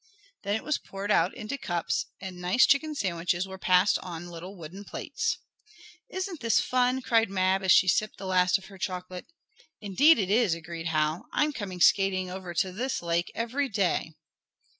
Then it was poured out into cups, and nice chicken sandwiches were passed on little wooden plates. "Isn't this fun!" cried Mab as she sipped the last of her chocolate. "Indeed it is," agreed Hal. "I'm coming skating over to this lake every day!"